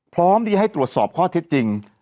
พร้อมที่ให้ตรวจสอบข้อเท็จจริง